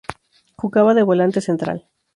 Jugaba de volante central.